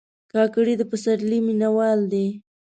کاکړي د پسرلي مینهوال دي.